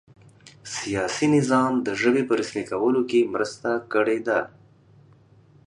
سیاسي نظام د ژبې په رسمي کولو کې مرسته کړې ده.